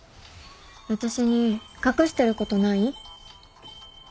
私に隠してることない？